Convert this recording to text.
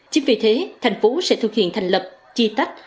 chính vì thế tp hcm sẽ thực hiện thành lập chi tách